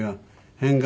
変顔。